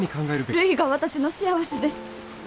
るいが私の幸せです。